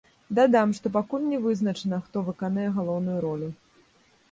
Дадам, што пакуль не вызначана, хто выканае галоўную ролю.